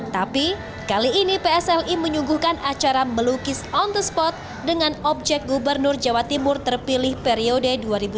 tapi kali ini psli menyuguhkan acara melukis on the spot dengan objek gubernur jawa timur terpilih periode